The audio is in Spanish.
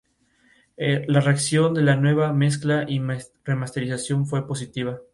Algunos historiadores sostienen que su uso se anticipó a los actores en el teatro.